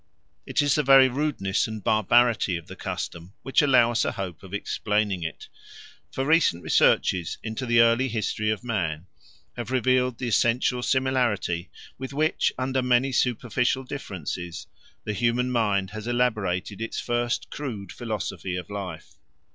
It is the very rudeness and barbarity of the custom which allow us a hope of explaining it. For recent researches into the early history of man have revealed the essential similarity with which, under many superficial differences, the human mind has elaborated its first crude philosophy of life.